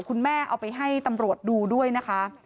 คุณแม่เอาไปให้ตำรวจดูด้วยนะคะ